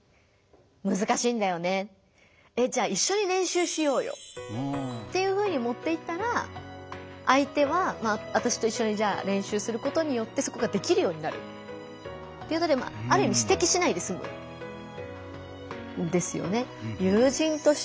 「むずかしいんだよね」。っていうふうに持っていったら相手は私と一緒にじゃあ練習することによってそこができるようになるということである意味指摘しないですむんですよね。